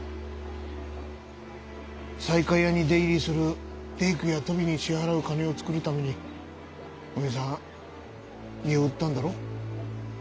西海屋に出入りする大工や鳶に支払う金を作るためにおめえさん身を売ったんだろ？